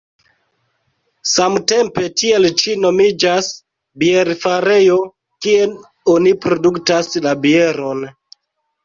Samtempe tiel ĉi nomiĝas bierfarejo, kie oni produktas la bieron.